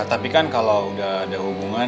tapi kan kalau udah ada hubungan